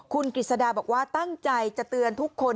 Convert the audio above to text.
คุณกฤษฎาบอกว่าตั้งใจจะเตือนทุกคน